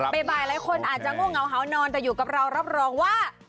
บ่ายหลายคนอาจจะง่วงเหงาเห่านอนแต่อยู่กับเรารับรองว่า